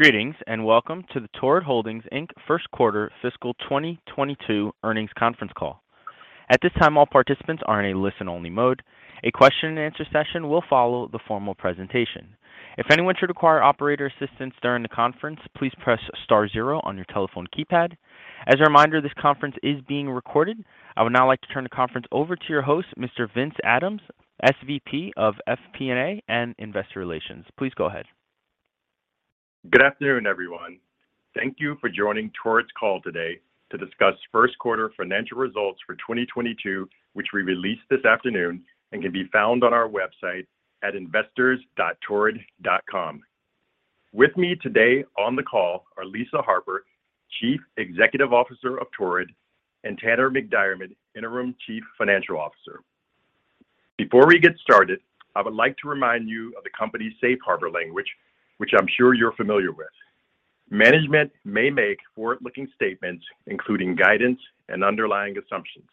Greetings, and welcome to the Torrid Holdings, Inc. First Quarter Fiscal 2022 Earnings Conference Call. At this time, all participants are in a listen-only mode. A question-and-answer session will follow the formal presentation. If anyone should require operator assistance during the conference, please press star zero on your telephone keypad. As a reminder, this conference is being recorded. I would now like to turn the conference over to your host, Mr. Vince Adams, SVP of FP&A and Investor Relations. Please go ahead. Good afternoon, everyone. Thank you for joining Torrid's call today to discuss Q1 Financial Results for 2022, which we released this afternoon and can be found on our website at investors.torrid.com. With me today on the call are Lisa Harper, Chief Executive Officer of Torrid, and Tanner MacDiarmid, Interim Chief Financial Officer. Before we get started, I would like to remind you of the company's safe harbor language, which I'm sure you're familiar with. Management may make forward-looking statements, including guidance and underlying assumptions.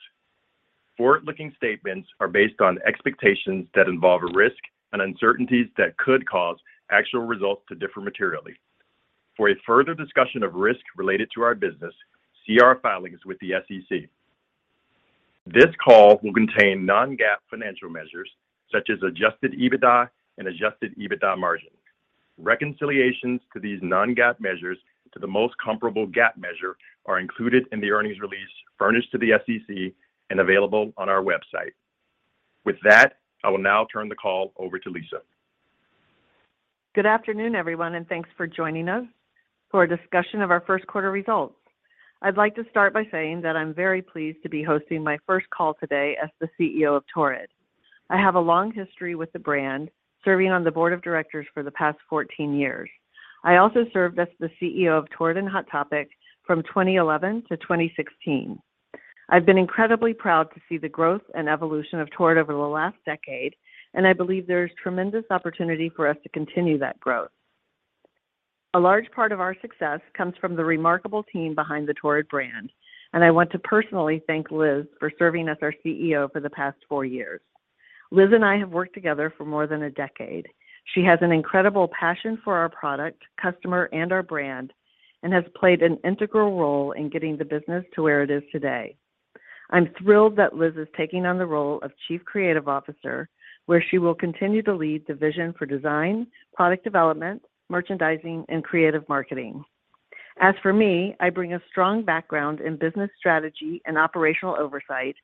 Forward-looking statements are based on expectations that involve a risk and uncertainties that could cause actual results to differ materially. For a further discussion of risk related to our business, see our filings with the SEC. This call will contain non-GAAP financial measures such as adjusted EBITDA and adjusted EBITDA margin. Reconciliations to these non-GAAP measures to the most comparable GAAP measure are included in the earnings release furnished to the SEC and available on our website. With that, I will now turn the call over to Lisa. Good afternoon, everyone, and thanks for joining us for a discussion of our Q1 results. I'd like to start by saying that I'm very pleased to be hosting my first call today as the CEO of Torrid. I have a long history with the brand, serving on the board of directors for the past 14 years. I also served as the CEO of Torrid and Hot Topic from 2011 to 2016. I've been incredibly proud to see the growth and evolution of Torrid over the last decade, and I believe there is tremendous opportunity for us to continue that growth. A large part of our success comes from the remarkable team behind the Torrid brand, and I want to personally thank Liz for serving as our CEO for the past four years. Liz and I have worked together for more than a decade. She has an incredible passion for our product, customer, and our brand, and has played an integral role in getting the business to where it is today. I'm thrilled that Liz is taking on the role of Chief Creative Officer, where she will continue to lead the vision for design, product development, merchandising, and creative marketing. As for me, I bring a strong background in business strategy and operational oversight,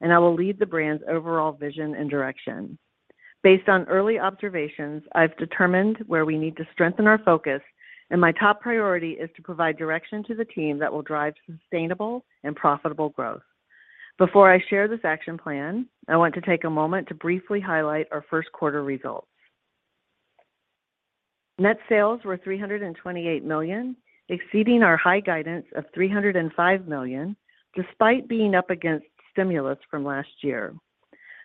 and I will lead the brand's overall vision and direction. Based on early observations, I've determined where we need to strengthen our focus, and my top priority is to provide direction to the team that will drive sustainable and profitable growth. Before I share this action plan, I want to take a moment to briefly highlight our first quarter results. Net sales were $328 million, exceeding our high guidance of $305 million, despite being up against stimulus from last year.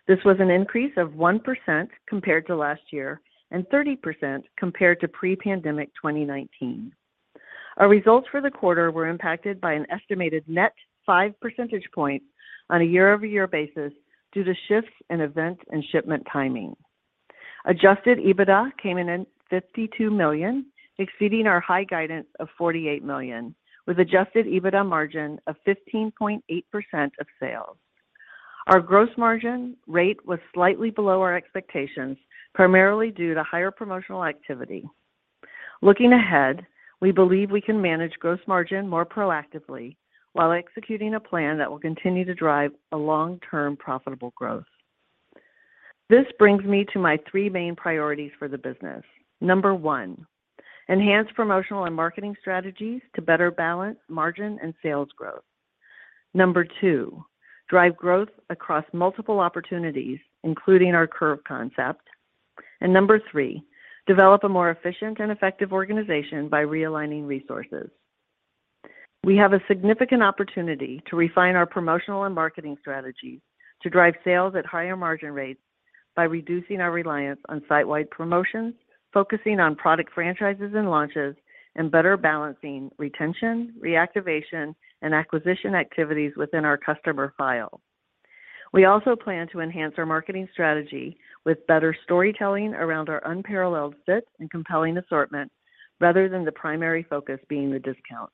This was an increase of 1% compared to last year and 30% compared to pre-pandemic 2019. Our results for the quarter were impacted by an estimated net five percentage points on a year-over-year basis due to shifts in events and shipment timing. Adjusted EBITDA came in at $52 million, exceeding our high guidance of $48 million, with adjusted EBITDA margin of 15.8% of sales. Our gross margin rate was slightly below our expectations, primarily due to higher promotional activity. Looking ahead, we believe we can manage gross margin more proactively while executing a plan that will continue to drive a long-term profitable growth. This brings me to my three main priorities for the business. Number one, enhance promotional and marketing strategies to better balance margin and sales growth. Number two, drive growth across multiple opportunities, including our Curve concept. Number three, develop a more efficient and effective organization by realigning resources. We have a significant opportunity to refine our promotional and marketing strategies to drive sales at higher margin rates by reducing our reliance on site-wide promotions, focusing on product franchises and launches, and better balancing retention, reactivation, and acquisition activities within our customer file. We also plan to enhance our marketing strategy with better storytelling around our unparalleled fit and compelling assortment rather than the primary focus being the discount.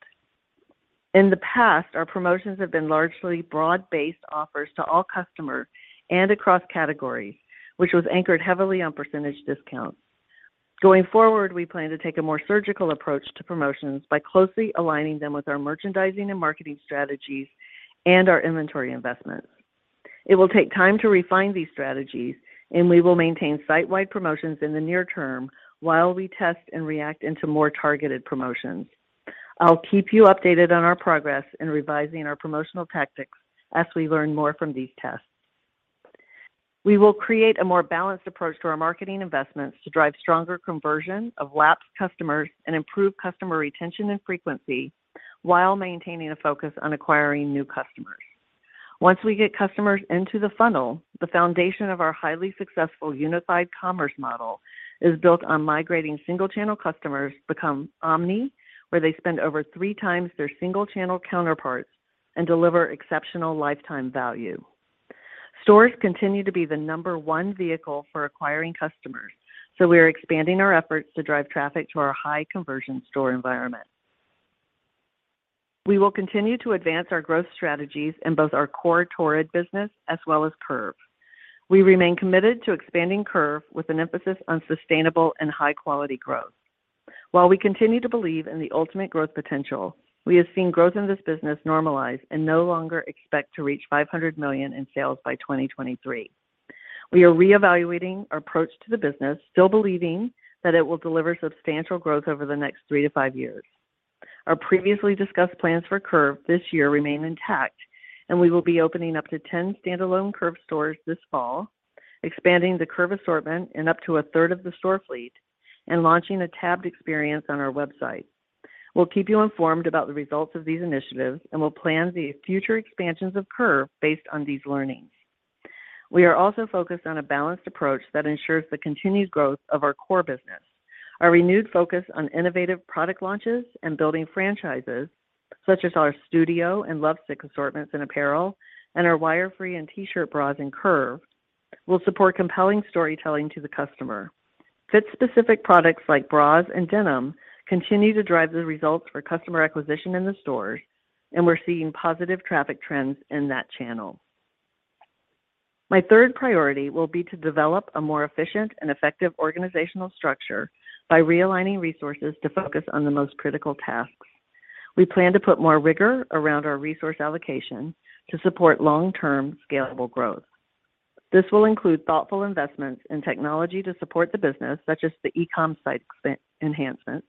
In the past, our promotions have been largely broad-based offers to all customers and across categories, which was anchored heavily on percentage discounts. Going forward, we plan to take a more surgical approach to promotions by closely aligning them with our merchandising and marketing strategies and our inventory investments. It will take time to refine these strategies, and we will maintain site-wide promotions in the near term while we test and react into more targeted promotions. I'll keep you updated on our progress in revising our promotional tactics as we learn more from these tests. We will create a more balanced approach to our marketing investments to drive stronger conversion of lapsed customers and improve customer retention and frequency while maintaining a focus on acquiring new customers. Once we get customers into the funnel, the foundation of our highly successful unified commerce model is built on migrating single channel customers become omni, where they spend over three times their single channel counterparts and deliver exceptional lifetime value. Stores continue to be the number one vehicle for acquiring customers, so we are expanding our efforts to drive traffic to our high conversion store environment. We will continue to advance our growth strategies in both our core Torrid business as well as Curve. We remain committed to expanding Curve with an emphasis on sustainable and high quality growth. While we continue to believe in the ultimate growth potential, we have seen growth in this business normalize and no longer expect to reach $500 million in sales by 2023. We are reevaluating our approach to the business, still believing that it will deliver substantial growth over the next 3-5 years. Our previously discussed plans for Curve this year remain intact, and we will be opening up to 10 standalone Curve stores this fall, expanding the Curve assortment in up to a third of the store fleet and launching a tabbed experience on our website. We'll keep you informed about the results of these initiatives, and we'll plan the future expansions of Curve based on these learnings. We are also focused on a balanced approach that ensures the continued growth of our core business. Our renewed focus on innovative product launches and building franchises such as our Studio and Lovesick assortments in apparel and our wire-free and T-shirt bras in Curve will support compelling storytelling to the customer. Fit specific products like bras and denim continue to drive the results for customer acquisition in the stores, and we're seeing positive traffic trends in that channel. My third priority will be to develop a more efficient and effective organizational structure by realigning resources to focus on the most critical tasks. We plan to put more rigor around our resource allocation to support long term scalable growth. This will include thoughtful investments in technology to support the business, such as the e-comm site enhancements.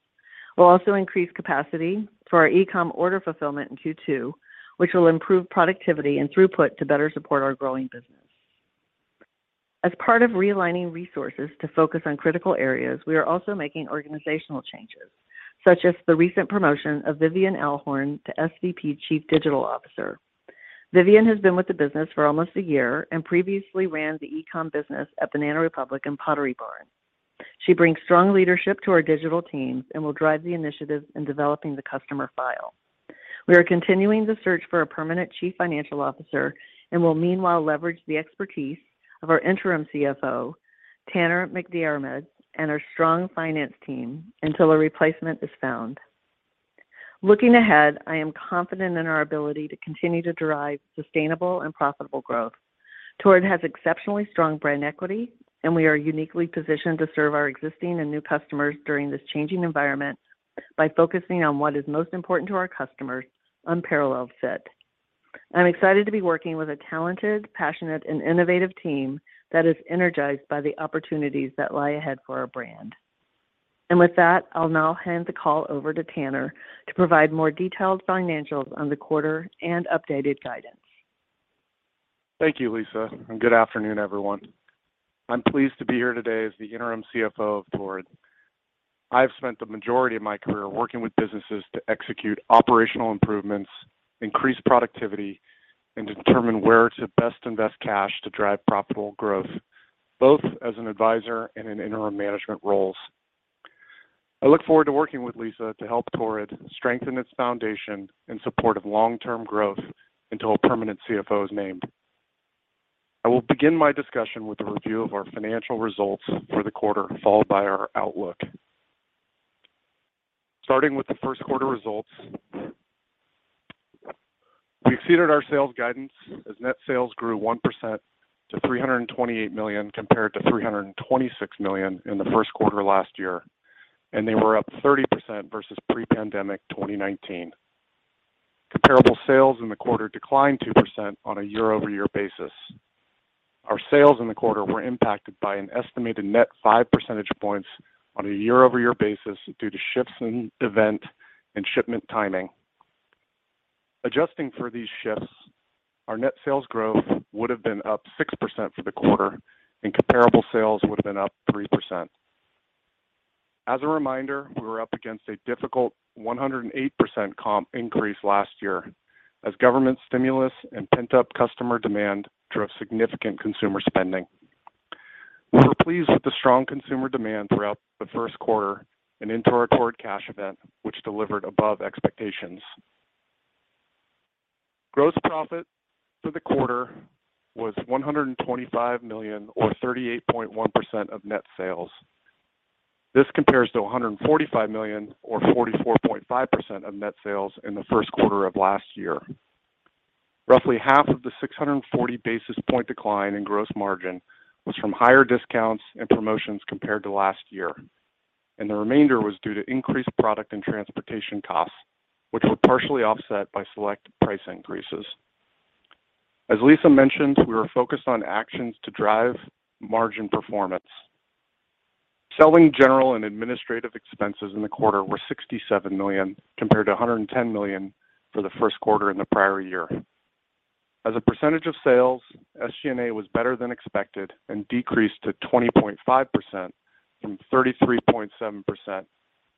We'll also increase capacity for our e-comm order fulfillment in Q2, which will improve productivity and throughput to better support our growing business. As part of realigning resources to focus on critical areas, we are also making organizational changes, such as the recent promotion of Vivian Alhorn to SVP, Chief Digital Officer. Vivian has been with the business for almost a year and previously ran the e-comm business at Banana Republic and Pottery Barn. She brings strong leadership to our digital teams and will drive the initiatives in developing the customer file. We are continuing the search for a permanent chief financial officer and will meanwhile leverage the expertise of our interim CFO, Tanner MacDiarmid, and our strong finance team until a replacement is found. Looking ahead, I am confident in our ability to continue to drive sustainable and profitable growth. Torrid has exceptionally strong brand equity, and we are uniquely positioned to serve our existing and new customers during this changing environment by focusing on what is most important to our customers, unparalleled fit. I'm excited to be working with a talented, passionate, and innovative team that is energized by the opportunities that lie ahead for our brand. With that, I'll now hand the call over to Tanner to provide more detailed financials on the quarter and updated guidance. Thank you, Lisa, and good afternoon, everyone. I'm pleased to be here today as the interim CFO of Torrid. I have spent the majority of my career working with businesses to execute operational improvements, increase productivity, and determine where to best invest cash to drive profitable growth, both as an advisor and in interim management roles. I look forward to working with Lisa to help Torrid strengthen its foundation in support of long-term growth until a permanent CFO is named. I will begin my discussion with a review of our financial results for the quarter, followed by our outlook. Starting with the Q1 results, we exceeded our sales guidance as net sales grew 1% to $328 million, compared to $326 million in the Q1 last year, and they were up 30% versus pre-pandemic 2019. Comparable sales in the quarter declined 2% on a year-over-year basis. Our sales in the quarter were impacted by an estimated net five percentage points on a year-over-year basis due to shifts in event and shipment timing. Adjusting for these shifts, our net sales growth would have been up 6% for the quarter and comparable sales would have been up 3%. As a reminder, we were up against a difficult 108% comp increase last year as government stimulus and pent-up customer demand drove significant consumer spending. We were pleased with the strong consumer demand throughout the first quarter and into our Torrid Cash event, which delivered above expectations. Gross profit for the quarter was $125 million or 38.1% of net sales. This compares to $145 million or 44.5% of net sales in the Q1 of last year. Roughly half of the 640 basis point decline in gross margin was from higher discounts and promotions compared to last year, and the remainder was due to increased product and transportation costs, which were partially offset by select price increases. As Lisa mentioned, we are focused on actions to drive margin performance. Selling, general, and administrative expenses in the quarter were $67 million, compared to $110 million for the Q1 in the prior year. As a percentage of sales, SG&A was better than expected and decreased to 20.5% from 33.7%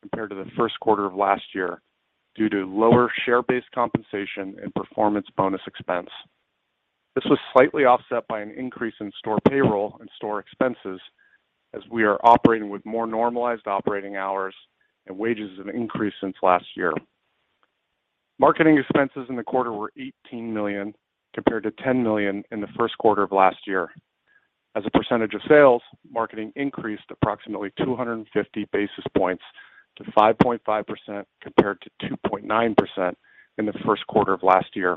compared to the first quarter of last year, due to lower share-based compensation and performance bonus expense. This was slightly offset by an increase in store payroll and store expenses as we are operating with more normalized operating hours and wages have increased since last year. Marketing expenses in the quarter were $18 million compared to $10 million in the Q1 of last year. As a percentage of sales, marketing increased approximately 250 basis points to 5.5% compared to 2.9% in the Q1 of last year.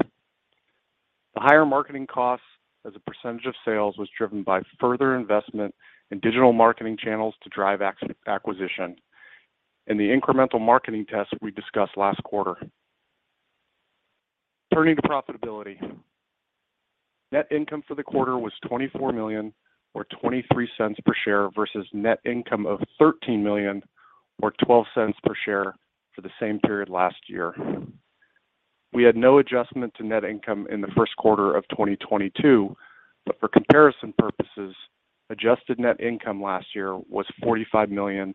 The higher marketing costs as a percentage of sales was driven by further investment in digital marketing channels to drive acquisition and the incremental marketing tests we discussed last quarter. Turning to profitability. Net income for the quarter was $24 million or $0.23 per share versus net income of $13 million or $0.12 per share for the same period last year. We had no adjustment to net income in the Q1 of 2022, but for comparison purposes, adjusted net income last year was $45 million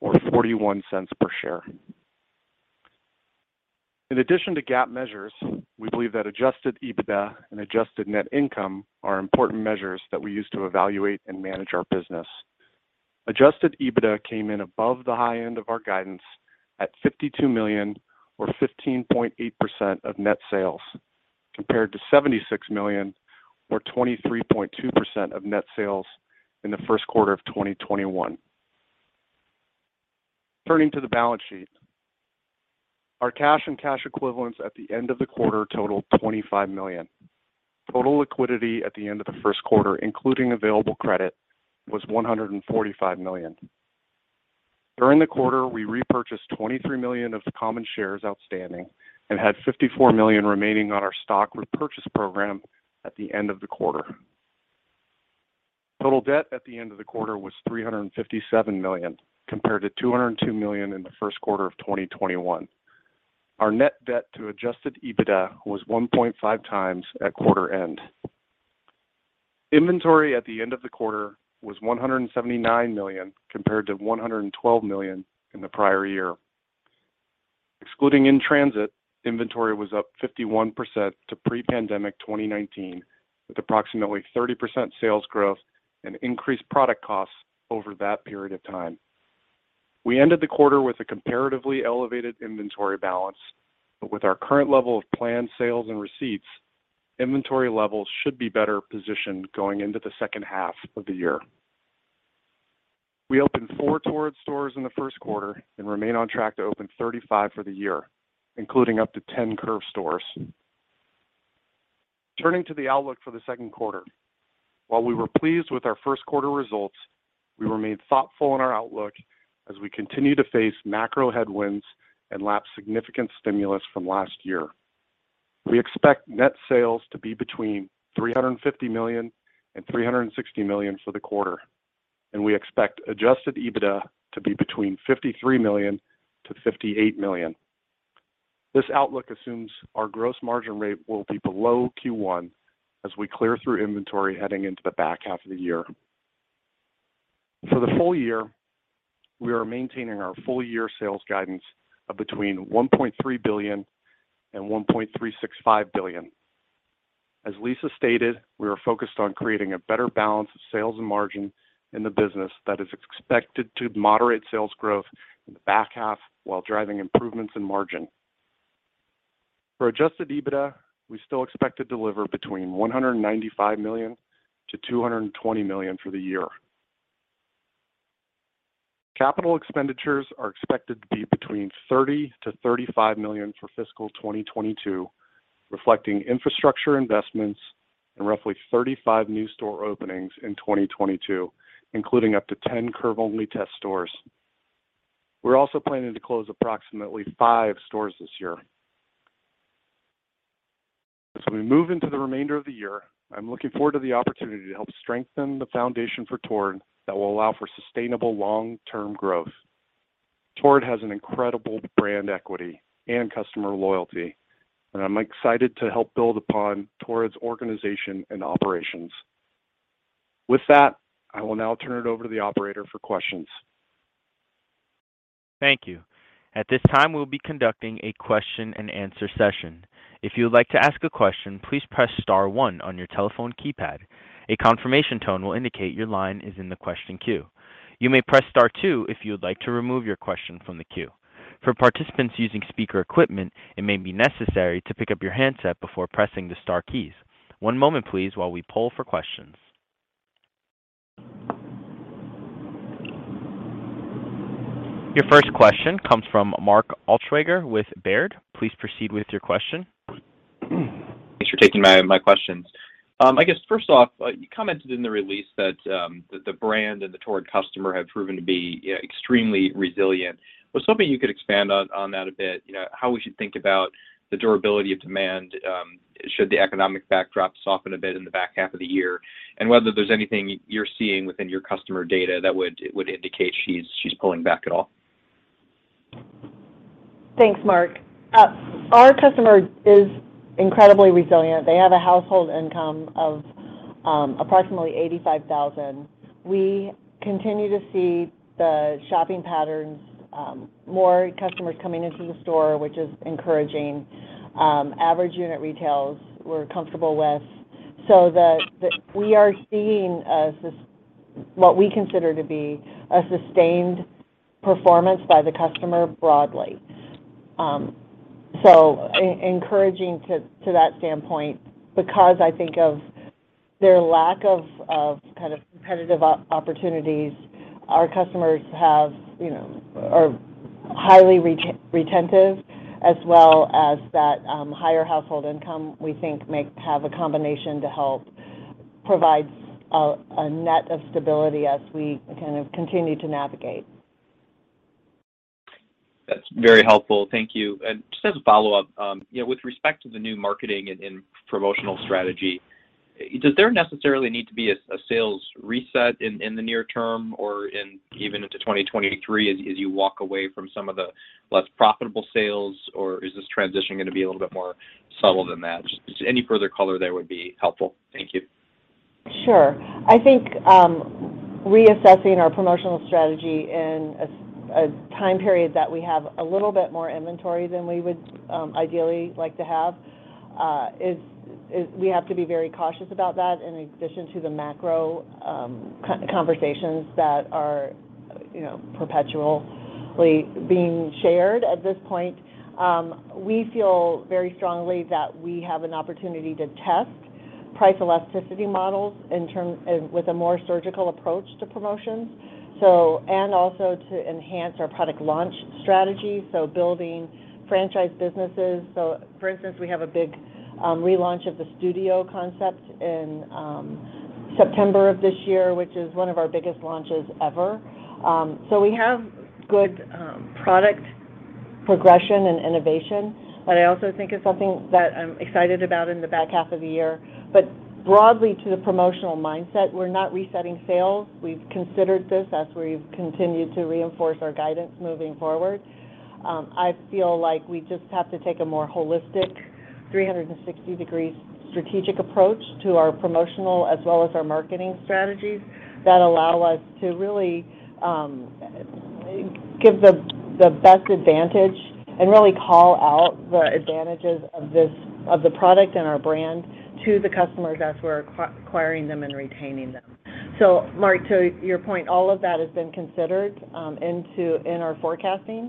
or $0.41 per share. In addition to GAAP measures, we believe that adjusted EBITDA and adjusted net income are important measures that we use to evaluate and manage our business. Adjusted EBITDA came in above the high end of our guidance at $52 million or 15.8% of net sales, compared to $76 million or 23.2% of net sales in the Q1 of 2021. Turning to the balance sheet. Our cash and cash equivalents at the end of the quarter totaled $25 million. Total liquidity at the end of the Q1, including available credit, was $145 million. During the quarter, we repurchased 23 million of the common shares outstanding and had 54 million remaining on our stock repurchase program at the end of the quarter. Total debt at the end of the quarter was $357 million compared to $202 million in the Q1 of 2021. Our net debt to adjusted EBITDA was 1.5x at quarter end. Inventory at the end of the quarter was $179 million compared to $112 million in the prior year. Excluding in-transit, inventory was up 51% to pre-pandemic 2019, with approximately 30% sales growth and increased product costs over that period of time. We ended the quarter with a comparatively elevated inventory balance, but with our current level of planned sales and receipts, inventory levels should be better positioned going into the H2 of the year. We opened four Torrid stores in the first quarter and remain on track to open 35 for the year, including up to 10 Curve stores. Turning to the outlook for the Q2. While we were pleased with our Q1 results, we remain thoughtful in our outlook as we continue to face macro headwinds and lap significant stimulus from last year. We expect net sales to be between $350 million and $360 million for the quarter, and we expect adjusted EBITDA to be between $53 million to $58 million. This outlook assumes our gross margin rate will be below Q1 as we clear through inventory heading into the back half of the year. For the full year, we are maintaining our full year sales guidance of between $1.3 billion and $1.365 billion. As Lisa stated, we are focused on creating a better balance of sales and margin in the business that is expected to moderate sales growth in the back half while driving improvements in margin. For adjusted EBITDA, we still expect to deliver between $195 million and $220 million for the year. Capital expenditures are expected to be between $30 million and $35 million for fiscal 2022, reflecting infrastructure investments and roughly 35 new store openings in 2022, including up to 10 Curve-only test stores. We're also planning to close approximately five stores this year. As we move into the remainder of the year, I'm looking forward to the opportunity to help strengthen the foundation for Torrid that will allow for sustainable long-term growth. Torrid has an incredible brand equity and customer loyalty, and I'm excited to help build upon Torrid's organization and operations. With that, I will now turn it over to the operator for questions. Thank you. At this time, we'll be conducting a question and answer session. If you would like to ask a question, please press star one on your telephone keypad. A confirmation tone will indicate your line is in the question queue. You may press star two if you would like to remove your question from the queue. For participants using speaker equipment, it may be necessary to pick up your handset before pressing the star keys. One moment, please, while we poll for questions. Your first question comes from Mark Altschwager with Baird. Please proceed with your question. Thanks for taking my questions. I guess first off, you commented in the release that the brand and the Torrid customer have proven to be extremely resilient. I was hoping you could expand on that a bit, you know, how we should think about the durability of demand should the economic backdrop soften a bit in the back half of the year? Whether there's anything you're seeing within your customer data that would indicate she's pulling back at all. Thanks, Mark. Our customer is incredibly resilient. They have a household income of approximately 85,000. We continue to see the shopping patterns, more customers coming into the store, which is encouraging. Average unit retails we're comfortable with. We are seeing what we consider to be a sustained performance by the customer broadly. Encouraging to that standpoint because I think of their lack of kind of competitive opportunities our customers have, you know, are highly retentive as well as that higher household income we think have a combination to help provide a net of stability as we kind of continue to navigate. That's very helpful. Thank you. Just as a follow-up, you know, with respect to the new marketing and promotional strategy, does there necessarily need to be a sales reset in the near term or in even into 2023 as you walk away from some of the less profitable sales, or is this transition gonna be a little bit more subtle than that? Just any further color there would be helpful. Thank you. Sure. I think reassessing our promotional strategy in a time period that we have a little bit more inventory than we would ideally like to have is we have to be very cautious about that in addition to the macro conversations that are, you know, perpetually being shared. At this point we feel very strongly that we have an opportunity to test price elasticity models with a more surgical approach to promotions. And also to enhance our product launch strategy, so building franchise businesses. For instance, we have a big relaunch of the Studio concept in September of this year, which is one of our biggest launches ever. We have good product progression and innovation that I also think is something that I'm excited about in the back half of the year. Broadly to the promotional mindset, we're not resetting sales. We've considered this as we've continued to reinforce our guidance moving forward. I feel like we just have to take a more holistic 360-degree strategic approach to our promotional as well as our marketing strategies that allow us to really give the best advantage and really call out the advantages of the product and our brand to the customers as we're acquiring them and retaining them. Mark, to your point, all of that has been considered in our forecasting.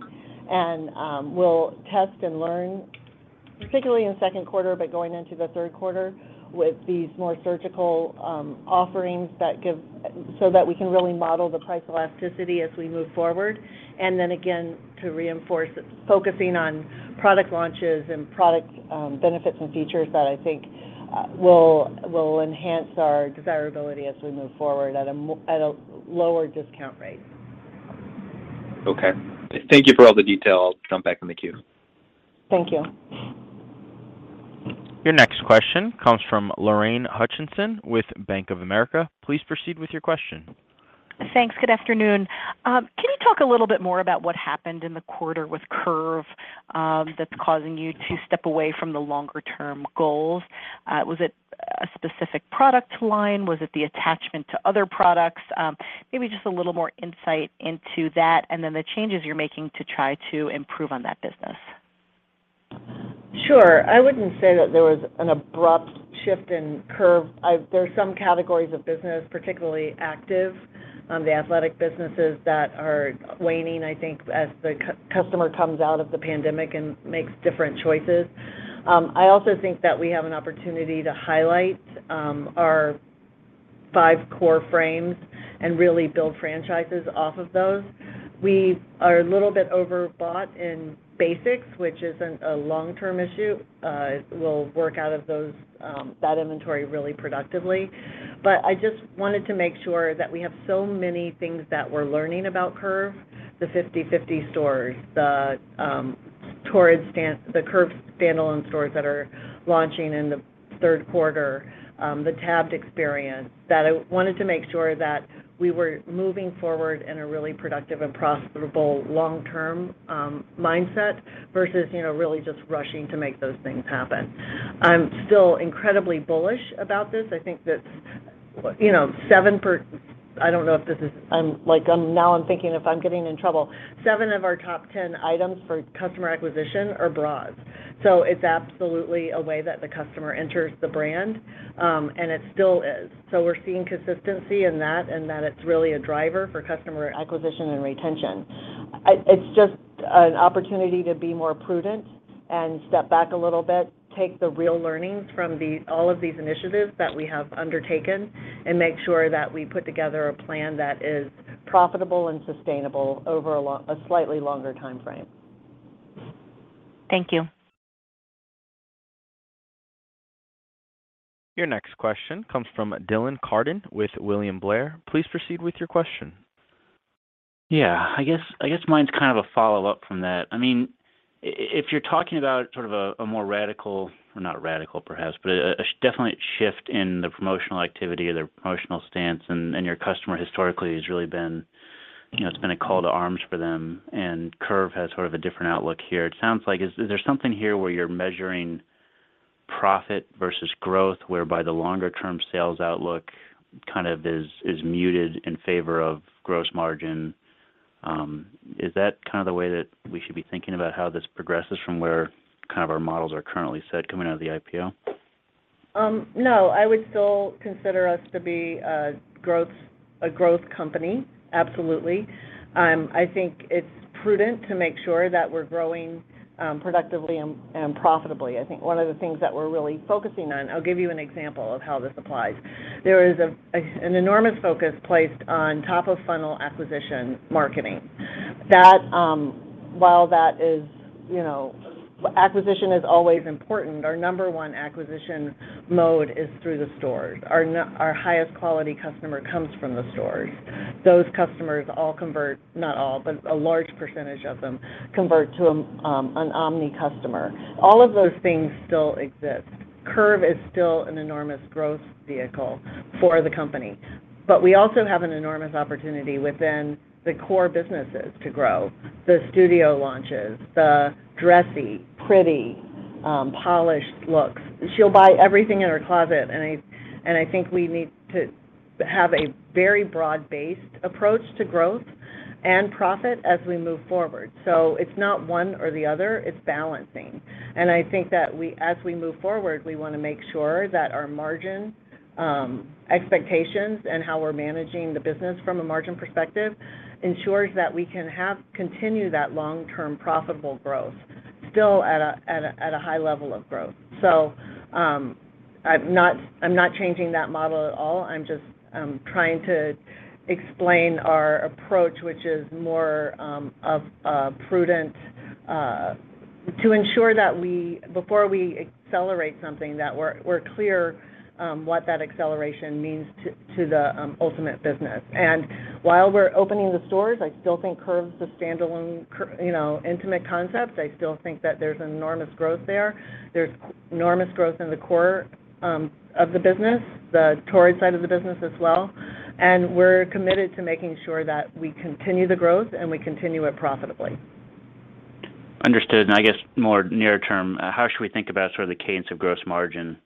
We'll test and learn, particularly in the Q2, but going into the third quarter with these more surgical offerings that give so that we can really model the price elasticity as we move forward. Again, to reinforce, it's focusing on product launches and product benefits and features that I think will enhance our desirability as we move forward at a lower discount rate. Okay. Thank you for all the detail. I'll jump back in the queue. Thank you. Your next question comes from Lorraine Hutchinson with Bank of America. Please proceed with your question. Thanks. Good afternoon. Can you talk a little bit more about what happened in the quarter with Curve, that's causing you to step away from the longer term goals? Was it a specific product line? Was it the attachment to other products? Maybe just a little more insight into that, and then the changes you're making to try to improve on that business. Sure. I wouldn't say that there was an abrupt shift in Curve. There's some categories of business, particularly active, the athletic businesses that are waning, I think, as the customer comes out of the pandemic and makes different choices. I also think that we have an opportunity to highlight our five core frames and really build franchises off of those. We are a little bit overbought in basics, which isn't a long-term issue. We'll work out of those that inventory really productively. I just wanted to make sure that we have so many things that we're learning about Curve, the 50/50 stores, the Curve standalone stores that are launching in the Q3, the tabbed experience, that I wanted to make sure that we were moving forward in a really productive and profitable long-term mindset versus, you know, really just rushing to make those things happen. I'm still incredibly bullish about this. I think that, you know, seven of our top 10 items for customer acquisition are bras. So it's absolutely a way that the customer enters the brand, and it still is. So we're seeing consistency in that, and that it's really a driver for customer acquisition and retention. It's just an opportunity to be more prudent and step back a little bit, take the real learnings from all of these initiatives that we have undertaken and make sure that we put together a plan that is profitable and sustainable over a slightly longer time frame. Thank you. Your next question comes from Dylan Carden with William Blair. Please proceed with your question. Yeah. I guess mine's kind of a follow-up from that. I mean, if you're talking about sort of a more radical, or not radical perhaps, but a definite shift in the promotional activity or the promotional stance, and your customer historically has really been, you know, it's been a call to arms for them, and Curve has sort of a different outlook here. It sounds like there's something here where you're measuring profit versus growth, whereby the longer term sales outlook kind of is muted in favor of gross margin. Is that kind of the way that we should be thinking about how this progresses from where kind of our models are currently set coming out of the IPO? No, I would still consider us to be a growth company. Absolutely. I think it's prudent to make sure that we're growing productively and profitably. I think one of the things that we're really focusing on. I'll give you an example of how this applies. There is an enormous focus placed on top-of-funnel acquisition marketing. That, while that is, you know, acquisition is always important, our number one acquisition mode is through the stores. Our highest quality customer comes from the stores. Those customers all convert, not all, but a large percentage of them convert to an omni customer. All of those things still exist. Curv is still an enormous growth vehicle for the company, but we also have an enormous opportunity within the core businesses to grow. The Studio launches, the dressy, pretty, polished looks. She'll buy everything in her closet, and I think we need to have a very broad-based approach to growth and profit as we move forward. It's not one or the other, it's balancing. I think that as we move forward, we wanna make sure that our margin expectations and how we're managing the business from a margin perspective ensures that we can continue that long-term profitable growth still at a high level of growth. I'm not changing that model at all. I'm just trying to explain our approach, which is more of prudent to ensure that before we accelerate something, that we're clear what that acceleration means to the ultimate business. While we're opening the stores, I still think Curve's a standalone, you know, intimate concept. I still think that there's enormous growth there. There's enormous growth in the core of the business, the Torrid side of the business as well. We're committed to making sure that we continue the growth and we continue it profitably. Understood. I guess more near term, how should we think about sort of the cadence of gross margin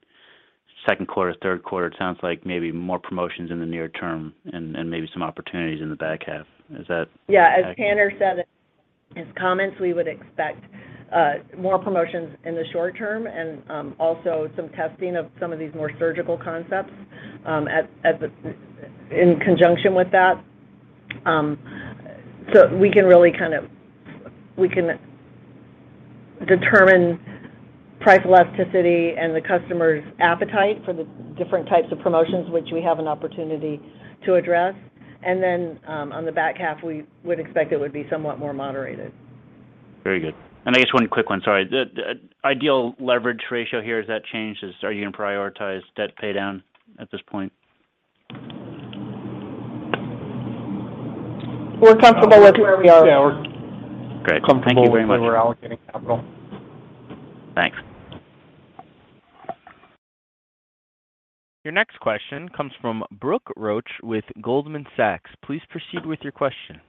Q2, Q3? It sounds like maybe more promotions in the near term and maybe some opportunities in the back half. Is that Yeah, as Tanner said in his comments, we would expect more promotions in the short term and also some testing of some of these more surgical concepts in conjunction with that. We can determine price elasticity and the customer's appetite for the different types of promotions which we have an opportunity to address. On the back half, we would expect it would be somewhat more moderated. Very good. I guess one quick one, sorry. The ideal leverage ratio here, has that changed? Are you gonna prioritize debt pay down at this point? We're comfortable with where we are. Yeah. Great. Thank you very much. Comfortable with where we're allocating capital. Thanks. Your next question comes from Brooke Roach with Goldman Sachs. Please proceed with your question.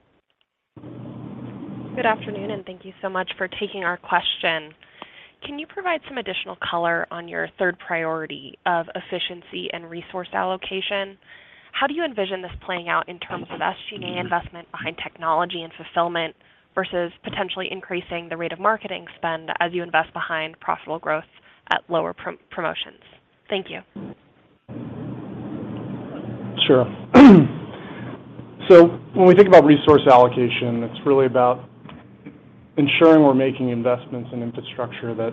Good afternoon, and thank you so much for taking our question. Can you provide some additional color on your third priority of efficiency and resource allocation? How do you envision this playing out in terms of SG&A investment behind technology and fulfillment versus potentially increasing the rate of marketing spend as you invest behind profitable growth at lower promotions? Thank you. Sure. When we think about resource allocation, it's really about ensuring we're making investments in infrastructure that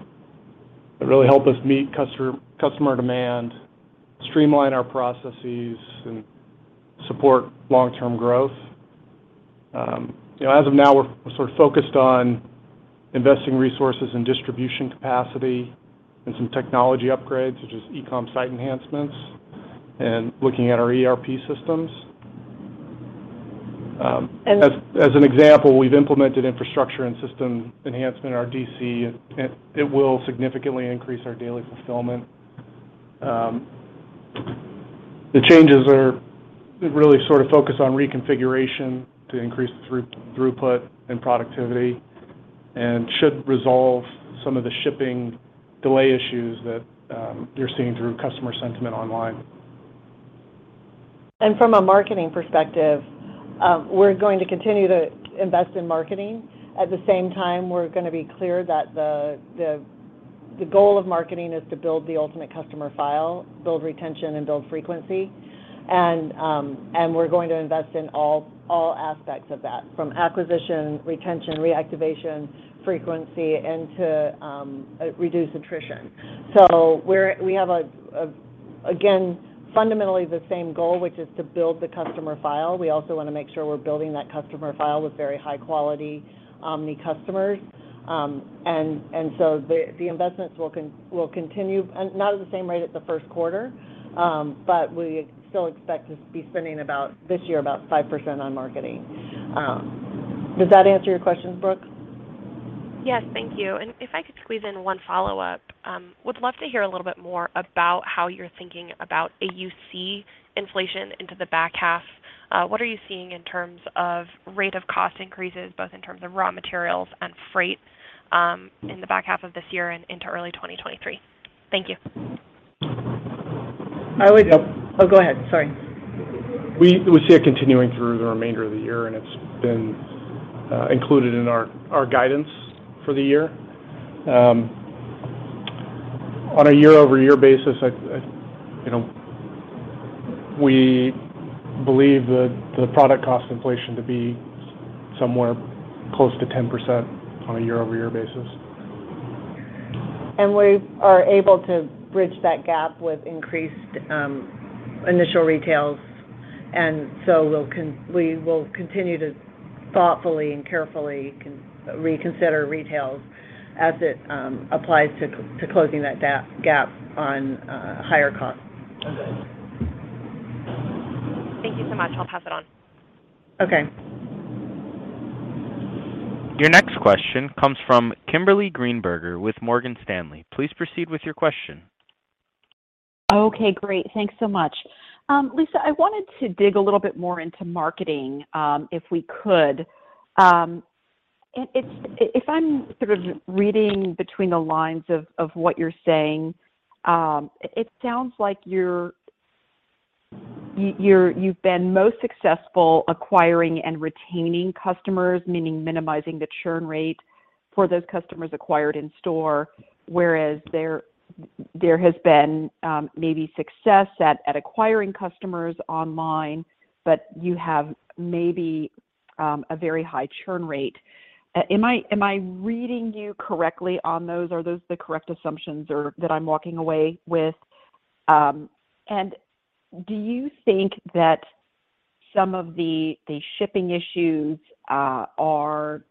really help us meet customer demand, streamline our processes, and support long-term growth. You know, as of now, we're sort of focused on investing resources in distribution capacity and some technology upgrades, such as e-com site enhancements and looking at our ERP systems. And- As an example, we've implemented infrastructure and system enhancement in our DC, and it will significantly increase our daily fulfillment. The changes are really sort of focused on reconfiguration to increase throughput and productivity and should resolve some of the shipping delay issues that you're seeing through customer sentiment online. From a marketing perspective, we're going to continue to invest in marketing. At the same time, we're gonna be clear that the goal of marketing is to build the ultimate customer file, build retention, and build frequency. We're going to invest in all aspects of that, from acquisition, retention, reactivation, frequency, and to reduce attrition. We have, again, fundamentally the same goal, which is to build the customer file. We also wanna make sure we're building that customer file with very high quality, omni customers. The investments will continue, not at the same rate as the first quarter, but we still expect to be spending about, this year, about 5% on marketing. Does that answer your questions, Brooke? Yes. Thank you. If I could squeeze in one follow-up. Would love to hear a little bit more about how you're thinking about AUC inflation into the back half. What are you seeing in terms of rate of cost increases, both in terms of raw materials and freight, in the back half of this year and into early 2023? Thank you. Oh, go ahead. Sorry. We see it continuing through the remainder of the year, and it's been included in our guidance for the year. On a year-over-year basis, you know we believe the product cost inflation to be somewhere close to 10% on a year-over-year basis. We are able to bridge that gap with increased initial retails, and so we will continue to thoughtfully and carefully reconsider retails as it applies to closing that gap on higher costs. Okay. Thank you so much. I'll pass it on. Okay. Your next question comes from Kimberly Greenberger with Morgan Stanley. Please proceed with your question. Okay. Great. Thanks so much. Lisa, I wanted to dig a little bit more into marketing, if we could. If I'm sort of reading between the lines of what you're saying, it sounds like you've been most successful acquiring and retaining customers, meaning minimizing the churn rate for those customers acquired in store, whereas there has been maybe success at acquiring customers online, but you have maybe a very high churn rate. Am I reading you correctly on those? Are those the correct assumptions or that I'm walking away with? Do you think that some of the shipping issues are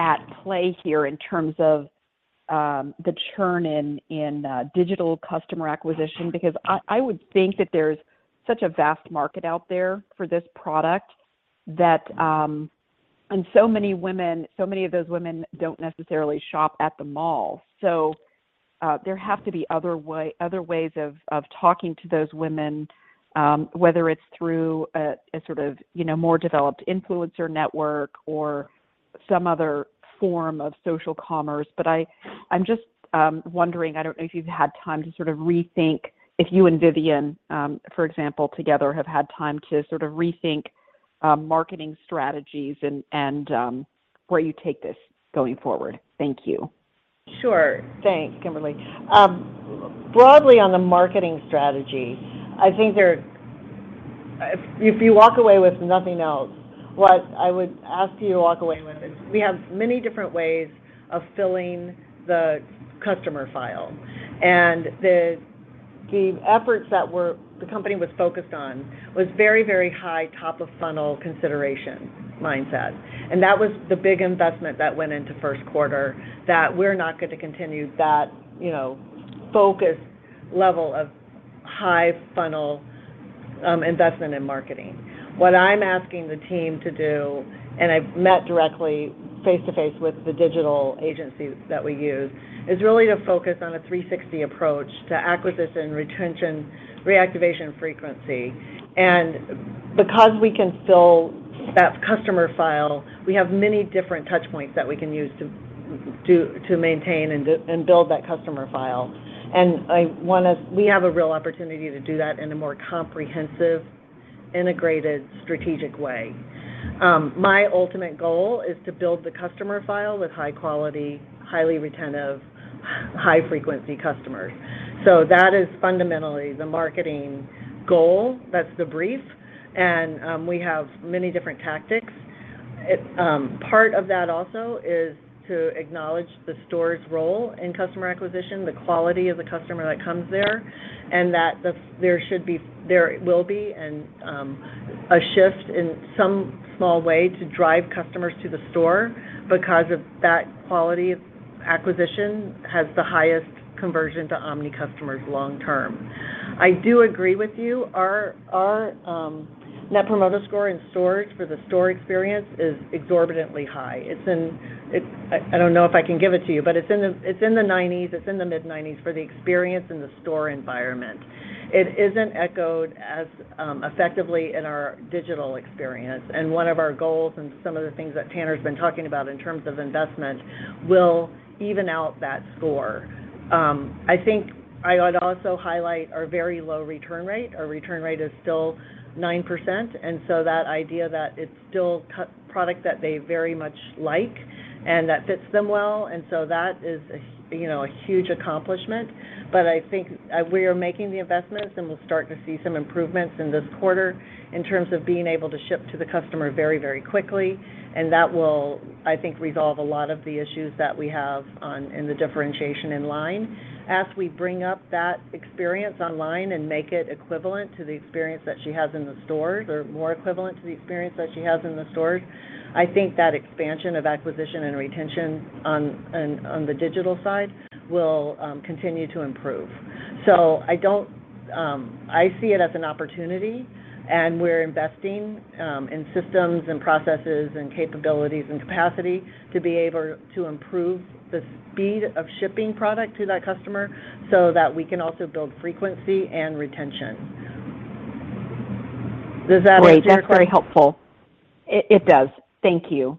at play here in terms of the churn in digital customer acquisition? Because I would think that there's such a vast market out there for this product that so many women, so many of those women don't necessarily shop at the mall. There have to be other ways of talking to those women, whether it's through a sort of, you know, more developed influencer network or some other form of social commerce. But I'm just wondering, I don't know if you've had time to sort of rethink. If you and Vivian, for example, together have had time to sort of rethink marketing strategies and where you take this going forward. Thank you. Sure. Thanks, Kimberly. Broadly on the marketing strategy, I think if you walk away with nothing else, what I would ask you to walk away with is we have many different ways of filling the customer file. The efforts that the company was focused on was very, very high top-of-funnel consideration mindset, and that was the big investment that went into first quarter, that we're not gonna continue that, you know, focused level of high funnel investment in marketing. What I'm asking the team to do, and I've met directly face-to-face with the digital agency that we use, is really to focus on a 360 approach to acquisition, retention, reactivation, and frequency. Because we can fill that customer file, we have many different touch points that we can use to maintain and build that customer file. We have a real opportunity to do that in a more comprehensive, integrated, strategic way. My ultimate goal is to build the customer file with high quality, highly retentive, high frequency customers. That is fundamentally the marketing goal. That's the brief, and we have many different tactics. Part of that also is to acknowledge the store's role in customer acquisition, the quality of the customer that comes there, and that there should be, there will be a shift in some small way to drive customers to the store because of that quality of acquisition has the highest conversion to omni customers long term. I do agree with you. Our net promoter score in stores for the store experience is exorbitantly high. I don't know if I can give it to you, but it's in the mid-90s for the experience in the store environment. It isn't echoed as effectively in our digital experience, and one of our goals and some of the things that Tanner's been talking about in terms of investment will even out that score. I think I would also highlight our very low return rate. Our return rate is still 9%, and so that idea that it's still product that they very much like and that fits them well, and so that is, you know, a huge accomplishment. I think we are making the investments, and we'll start to see some improvements in this quarter in terms of being able to ship to the customer very, very quickly, and that will, I think, resolve a lot of the issues that we have in the differentiation online. As we bring up that experience online and make it equivalent to the experience that she has in the stores or more equivalent to the experience that she has in the stores, I think that expansion of acquisition and retention on the digital side will continue to improve. I see it as an opportunity, and we're investing in systems and processes and capabilities and capacity to be able to improve the speed of shipping product to that customer so that we can also build frequency and retention. Does that answer your question? Great. That's very helpful. It does. Thank you.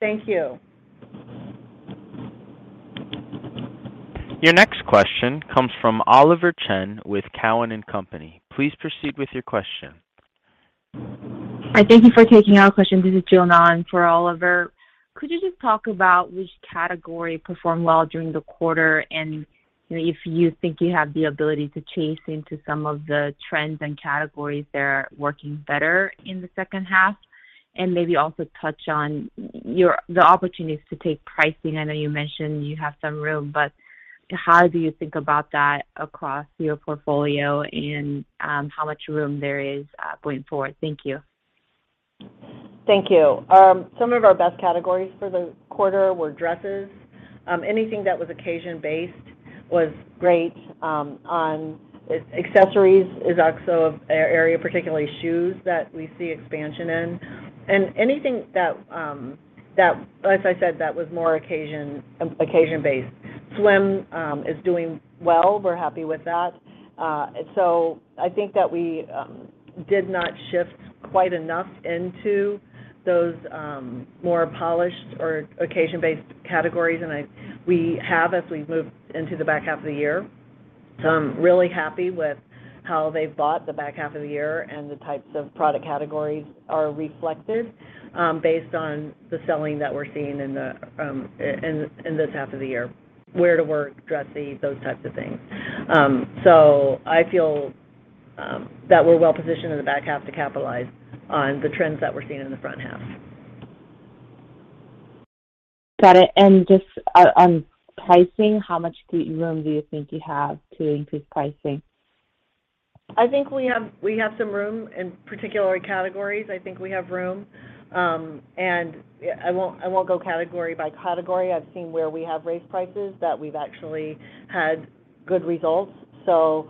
Thank you. Your next question comes from Oliver Chen with Cowen and Company. Please proceed with your question. All right. Thank you for taking our question. This is Jonna for Oliver. Could you just talk about which category performed well during the quarter and if you think you have the ability to chase into some of the trends and categories that are working better in the second half? Maybe also touch on the opportunities to take pricing. I know you mentioned you have some room, but how do you think about that across your portfolio and, how much room there is, going forward? Thank you. Thank you. Some of our best categories for the quarter were dresses. Anything that was occasion-based was great. Accessories is also an area, particularly shoes, that we see expansion in. Anything that, as I said, was more occasion-based. Swim is doing well. We're happy with that. I think that we did not shift quite enough into those more polished or occasion-based categories, and we have as we've moved into the back half of the year. I'm really happy with how they've bought the back half of the year and the types of product categories are reflected based on the selling that we're seeing in this half of the year. Wear-to-work, dressy, those types of things. I feel that we're well positioned in the back half to capitalize on the trends that we're seeing in the front half. Got it. Just on pricing, how much room do you think you have to increase pricing? I think we have some room. In particular categories, I think we have room. I won't go category by category. I've seen where we have raised prices that we've actually had good results. We're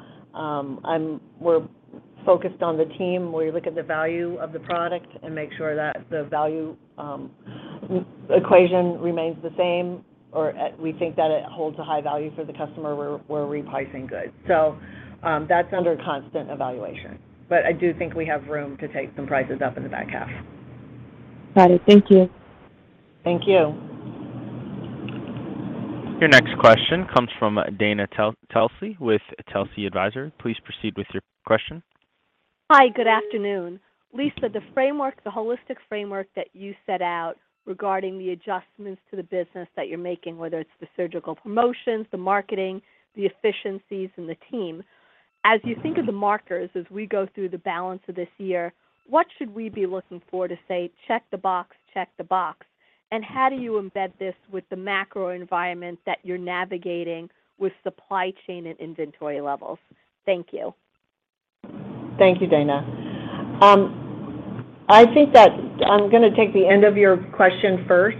focused on the team, where you look at the value of the product and make sure that the value equation remains the same or that we think that it holds a high value for the customer we're repricing goods. That's under constant evaluation, but I do think we have room to take some prices up in the back half. Got it. Thank you. Thank you. Your next question comes from Dana Telsey with Telsey Advisory. Please proceed with your question. Hi, good afternoon. Lisa, the framework, the holistic framework that you set out regarding the adjustments to the business that you're making, whether it's the surgical promotions, the marketing, the efficiencies in the team. As you think of the markers as we go through the balance of this year, what should we be looking for to say, "Check the box, check the box," and how do you embed this with the macro environment that you're navigating with supply chain and inventory levels? Thank you. Thank you, Dana. I think that I'm gonna take the end of your question first.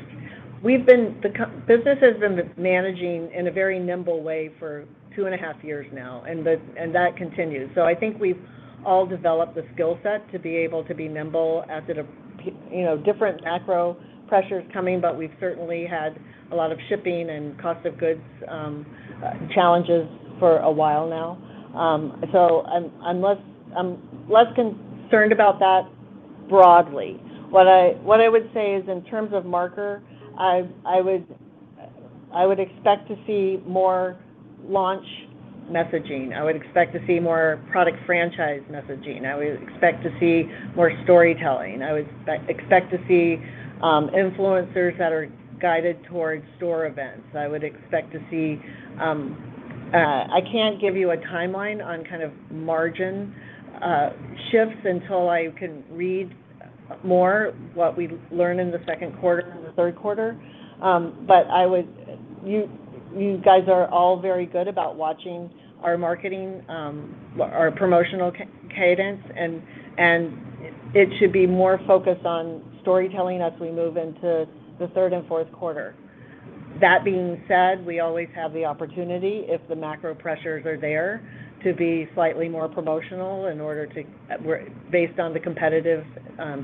The business has been managing in a very nimble way for two and a half years now, and that continues. I think we've all developed the skill set to be able to be nimble as you know different macro pressures coming, but we've certainly had a lot of shipping and cost of goods challenges for a while now. I'm less concerned about that broadly. What I would say is in terms of marketing. I would expect to see more launch messaging. I would expect to see more product franchise messaging. I would expect to see more storytelling. I would expect to see influencers that are guided towards store events. I would expect to see. I can't give you a timeline on kind of margin shifts until I can read more what we learn in the Q2 and the Q3. You guys are all very good about watching our marketing, our promotional cadence, and it should be more focused on storytelling as we move into the third and fourth quarter. That being said, we always have the opportunity, if the macro pressures are there, to be slightly more promotional in order to based on the competitive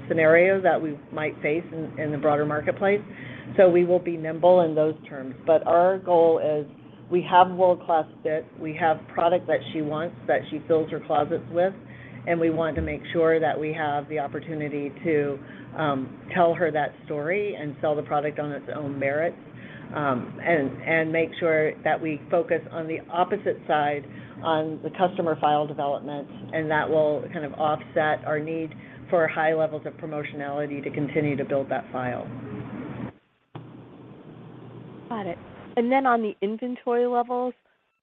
scenario that we might face in the broader marketplace. We will be nimble in those terms. Our goal is we have world-class fit, we have product that she wants, that she fills her closets with, and we want to make sure that we have the opportunity to tell her that story and sell the product on its own merit, and make sure that we focus on the opposite side on the customer file development, and that will kind of offset our need for high levels of promotionality to continue to build that file. Got it. On the inventory levels,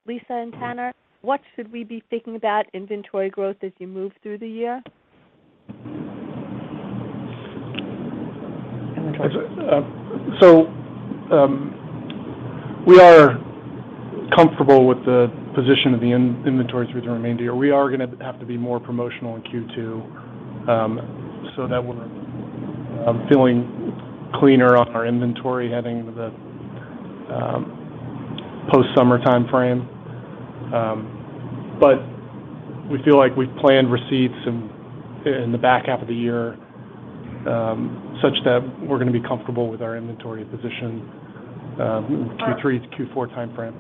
Lisa and Tanner, what should we be thinking about inventory growth as you move through the year? Inventory. We are comfortable with the position of the inventory through the remainder of the year. We are gonna have to be more promotional in Q2, so that we're feeling cleaner on our inventory heading into the post-summer timeframe. We feel like we've planned receipts in the back half of the year, such that we're gonna be comfortable with our inventory position, Q3 to Q4 timeframe.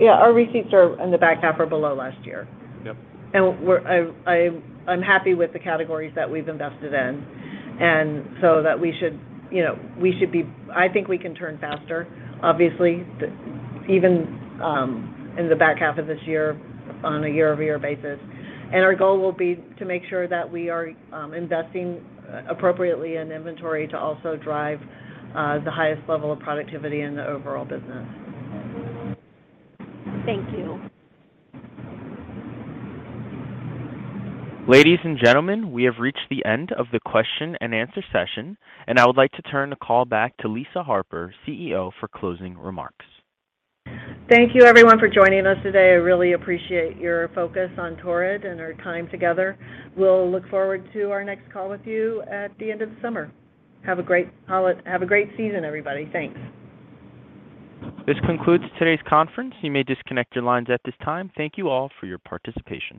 Yeah. Our receipts are in the back half or below last year. Yep. I'm happy with the categories that we've invested in, and so that we should, you know, we should be. I think we can turn faster, obviously, even in the back half of this year on a year-over-year basis. Our goal will be to make sure that we are investing appropriately in inventory to also drive the highest level of productivity in the overall business. Thank you. Ladies and gentlemen, we have reached the end of the question and answer session, and I would like to turn the call back to Lisa Harper, CEO, for closing remarks. Thank you everyone for joining us today. I really appreciate your focus on Torrid and our time together. We'll look forward to our next call with you at the end of the summer. Have a great season, everybody. Thanks. This concludes today's conference. You may disconnect your lines at this time. Thank you all for your participation.